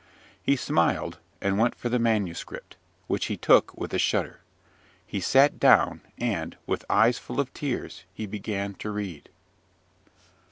He smiled, and went for the manuscript, which he took with a shudder. He sat down; and, with eyes full of tears, he began to read.